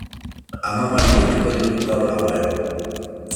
Amamari deituko diozu gaur gauean.